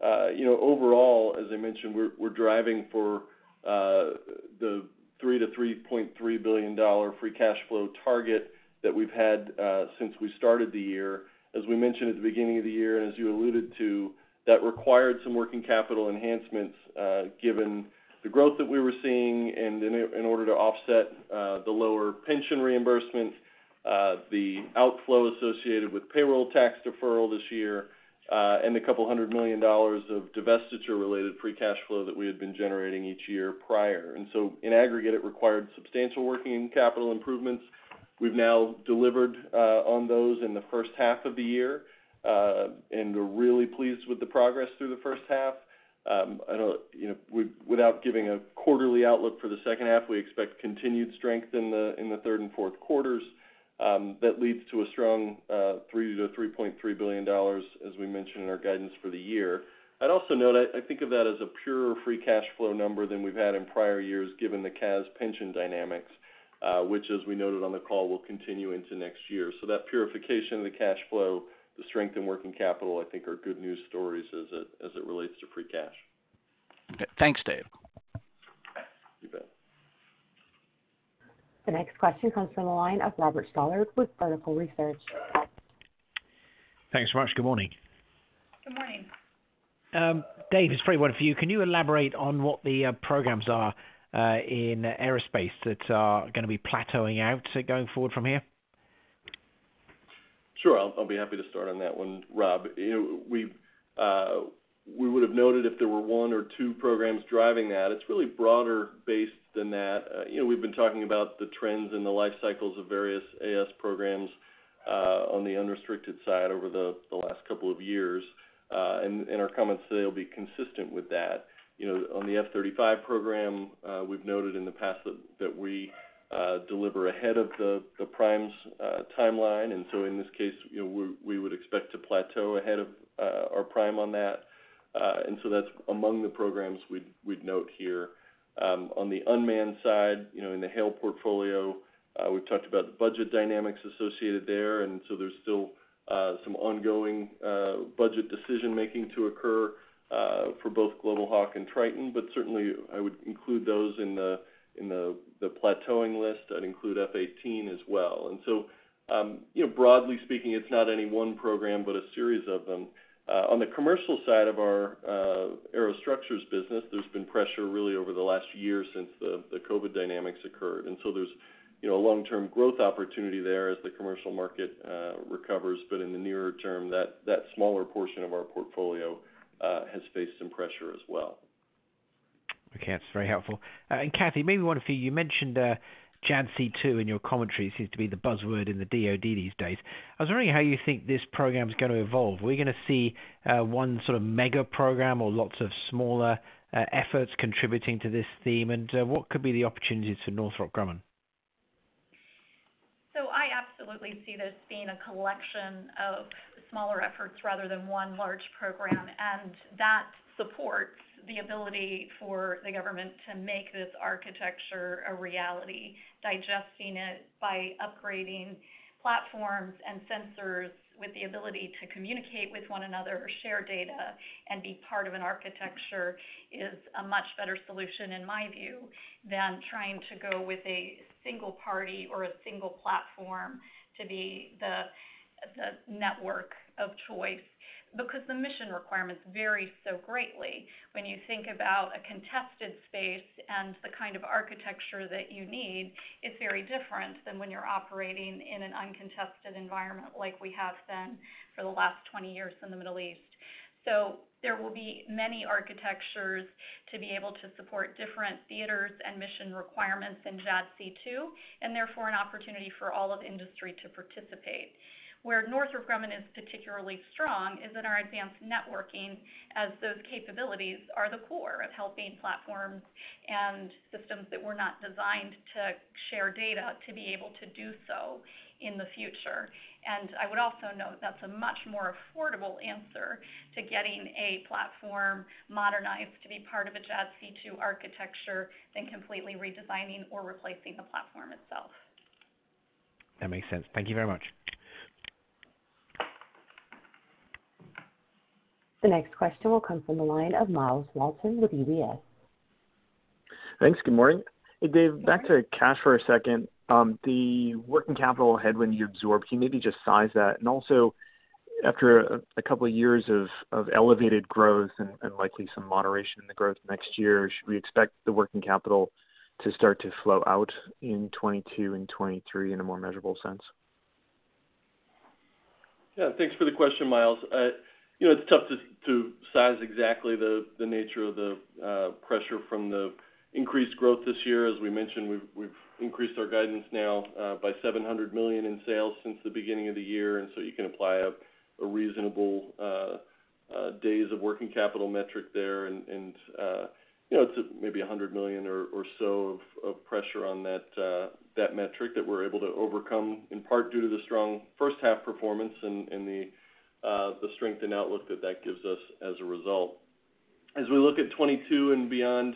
overall, as I mentioned, we're driving for the $3-3.3 billion free cash flow target that we've had since we started the year. As we mentioned at the beginning of the year, and as you alluded to, that required some working capital enhancements given the growth that we were seeing and in order to offset the lower pension reimbursement, the outflow associated with payroll tax deferral this year, and $200 million of divestiture-related free cash flow that we had been generating each year prior. In aggregate, it required substantial working capital improvements. We've now delivered on those in the first half of the year, and we're really pleased with the progress through the first half. Without giving a quarterly outlook for the second half, we expect continued strength in the third and fourth quarters that leads to a strong $3-3.3 billion, as we mentioned in our guidance for the year. I'd also note, I think of that as a pure free cash flow number than we've had in prior years, given the CAS pension dynamics, which, as we noted on the call, will continue into next year. That purification of the cash flow, the strength in working capital, I think, are good news stories as it relates to free cash. Okay. Thanks, Dave. You bet. The next question comes from the line of Robert Stallard with Vertical Research. Thanks very much. Good morning. Good morning. Dave, this is for you. Can you elaborate on what the programs are in aerospace that are going to be plateauing out going forward from here? Sure. I'll be happy to start on that one, Rob. We would've noted if there were one or two programs driving that. It's really broader based than that. We've been talking about the trends and the life cycles of various AS programs on the unrestricted side over the last couple of years. Our comments today will be consistent with that. On the F-35 program, we've noted in the past that we deliver ahead of the prime's timeline. In this case, we would expect to plateau ahead of our prime on that. That's among the programs we'd note here. On the unmanned side, in the HALE portfolio, we've talked about the budget dynamics associated there's still some ongoing budget decision-making to occur for both Global Hawk and Triton. Certainly, I would include those in the plateauing list. I'd include F-18 as well. Broadly speaking, it's not any one program, but a series of them. On the commercial side of our aerostructures business, there's been pressure really over the last year since the COVID dynamics occurred. There's a long-term growth opportunity there as the commercial market recovers. In the nearer term, that smaller portion of our portfolio has faced some pressure as well. Okay. That's very helpful. Kathy, maybe one for you. You mentioned JADC2 in your commentary. It seems to be the buzzword in the DoD these days. I was wondering how you think this program's going to evolve. Are we going to see one sort of mega program or lots of smaller efforts contributing to this theme? What could be the opportunities for Northrop Grumman? I absolutely see this being a collection of smaller efforts rather than one large program, and that supports the ability for the government to make this architecture a reality. Digesting it by upgrading platforms and sensors with the ability to communicate with one another or share data and be part of an architecture is a much better solution, in my view, than trying to go with a single party or a single platform to be the network of choice, because the mission requirements vary so greatly. When you think about a contested space and the kind of architecture that you need, it's very different than when you're operating in an uncontested environment like we have been for the last 20 years in the Middle East. There will be many architectures to be able to support different theaters and mission requirements in JADC2, and therefore, an opportunity for all of industry to participate. Where Northrop Grumman is particularly strong is in our advanced networking, as those capabilities are the core of helping platforms and systems that were not designed to share data to be able to do so in the future. I would also note that's a much more affordable answer to getting a platform modernized to be part of a JADC2 architecture than completely redesigning or replacing the platform itself. That makes sense. Thank you very much. The next question will come from the line of Myles Walton with UBS. Thanks. Good morning. Dave, back to cash for a second. The working capital headwind you absorbed, can you maybe just size that? Also, after a couple of years of elevated growth and likely some moderation in the growth next year, should we expect the working capital to start to flow out in 2022 and 2023 in a more measurable sense? Yeah, thanks for the question, Myles. It's tough to size exactly the nature of the pressure from the increased growth this year. As we mentioned, we've increased our guidance now by $700 million in sales since the beginning of the year, you can apply a reasonable days of working capital metric there. It's maybe $100 million or so of pressure on that metric that we're able to overcome, in part due to the strong first half performance and the strength and outlook that that gives us as a result. As we look at 2022 and beyond,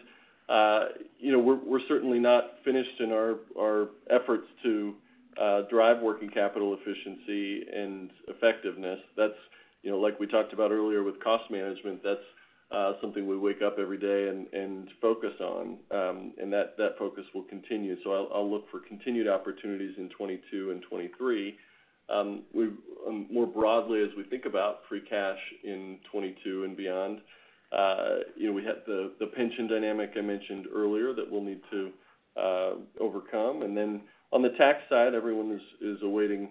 we're certainly not finished in our efforts to drive working capital efficiency and effectiveness. Like we talked about earlier with cost management, that's something we wake up every day and focus on. That focus will continue. I'll look for continued opportunities in 2022 and 2023. More broadly, as we think about free cash in 2022 and beyond, we have the pension dynamic I mentioned earlier that we'll need to overcome. On the tax side, everyone is awaiting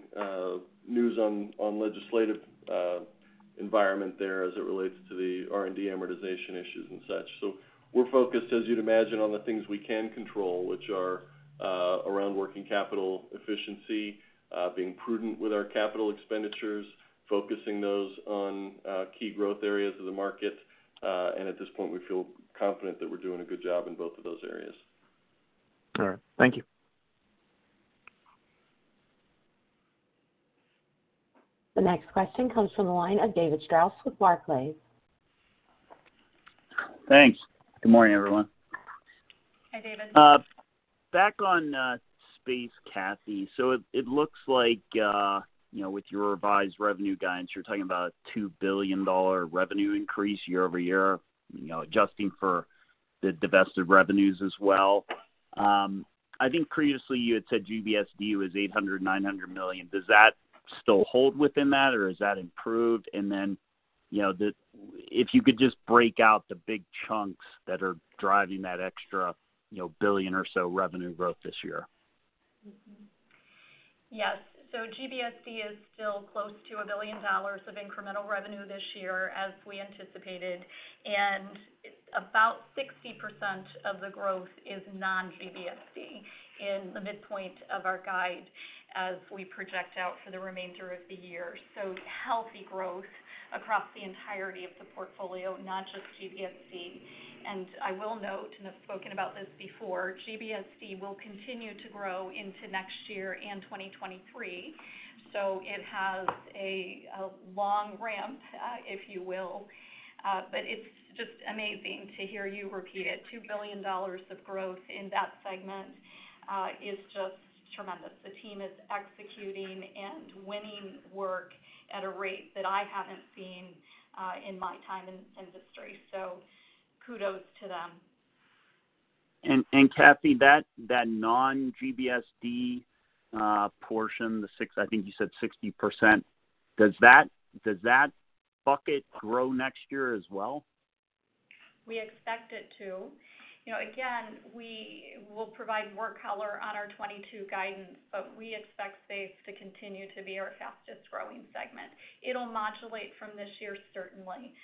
news on legislative environment there as it relates to the R&D amortization issues and such. We're focused, as you'd imagine, on the things we can control, which are around working capital efficiency, being prudent with our capital expenditures, focusing those on key growth areas of the market. At this point, we feel confident that we're doing a good job in both of those areas. All right. Thank you. The next question comes from the line of David Strauss with Barclays. Thanks. Good morning, everyone. Hi, David. Back on space, Kathy. It looks like, with your revised revenue guidance, you're talking about a $2 billion revenue increase year-over-year, adjusting for the divested revenues as well. I think previously you had said GBSD was $800 million, $900 million. Does that still hold within that, or has that improved? If you could just break out the big chunks that are driving that extra billion or so revenue growth this year. Yes. GBSD is still close to $1 billion of incremental revenue this year, as we anticipated. About 60% of the growth is non-GBSD in the midpoint of our guide as we project out for the remainder of the year. Healthy growth across the entirety of the portfolio, not just GBSD. I will note, and I've spoken about this before, GBSD will continue to grow into next year and 2023. It has a long ramp, if you will. It's just amazing to hear you repeat it, $2 billion of growth in that segment is just tremendous. The team is executing and winning work at a rate that I haven't seen in my time in this industry, so kudos to them. Kathy, that non-GBSD portion, I think you said 60%, does that bucket grow next year as well? We expect it to. Again, we will provide more color on our 2022 guidance. We expect Space to continue to be our fastest-growing segment. It'll modulate from this year certainly.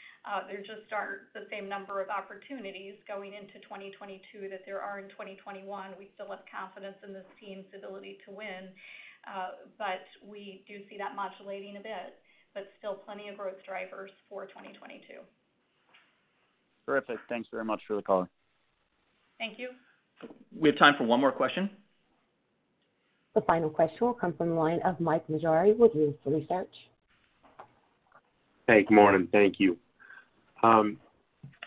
There just aren't the same number of opportunities going into 2022 that there are in 2021. We still have confidence in this team's ability to win. We do see that modulating a bit. Still plenty of growth drivers for 2022. Terrific. Thanks very much for the color. Thank you. We have time for one more question. The final question will come from the line of Myles Walton with Leerink Partners. Hey, good morning. Thank you.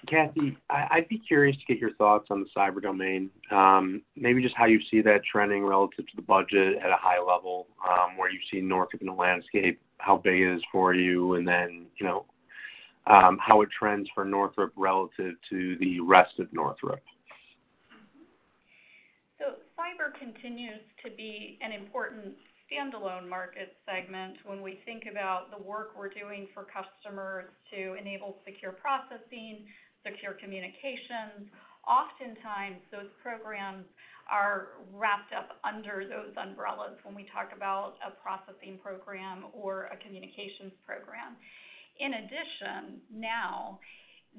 Kathy, I'd be curious to get your thoughts on the cyber domain. Maybe just how you see that trending relative to the budget at a high level, where you see Northrop in the landscape, how big it is for you, and then how it trends for Northrop relative to the rest of Northrop. Cyber continues to be an important standalone market segment when we think about the work we're doing for customers to enable secure processing, secure communications. Oftentimes, those programs are wrapped up under those umbrellas when we talk about a processing program or a communications program. In addition, now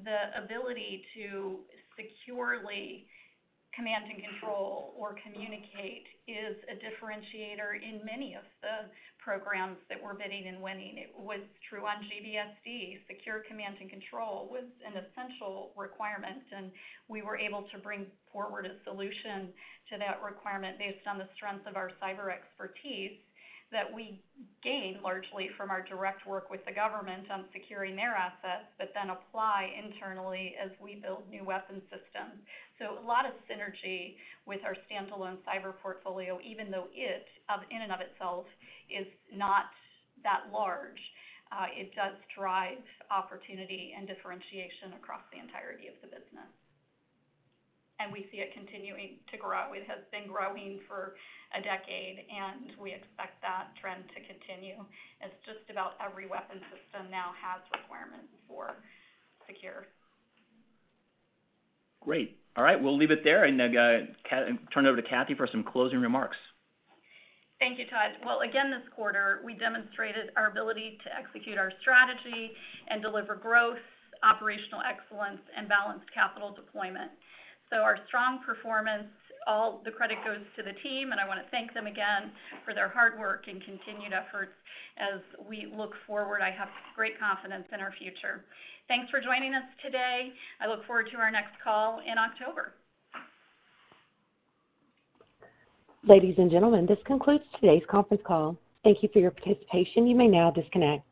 the ability to securely command and control or communicate is a differentiator in many of the programs that we're bidding and winning. It was true on GBSD, secure command and control was an essential requirement, and we were able to bring forward a solution to that requirement based on the strength of our cyber expertise that we gained largely from our direct work with the government on securing their assets, but then apply internally as we build new weapon systems. A lot of synergy with our standalone cyber portfolio, even though it, in and of itself, is not that large. It does drive opportunity and differentiation across the entirety of the business. We see it continuing to grow. It has been growing for a decade, and we expect that trend to continue, as just about every weapon system now has requirements for secure. Great. All right. We'll leave it there and turn it over to Kathy for some closing remarks. Thank you, Todd. Well, again, this quarter, we demonstrated our ability to execute our strategy and deliver growth, operational excellence, and balanced capital deployment. Our strong performance, all the credit goes to the team, and I want to thank them again for their hard work and continued efforts. As we look forward, I have great confidence in our future. Thanks for joining us today. I look forward to our next call in October. Ladies and gentlemen, this concludes today's conference call. Thank you for your participation. You may now disconnect.